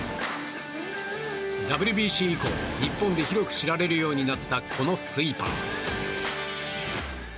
ＷＢＣ以降日本で広く知られるようになったこのスイーパー。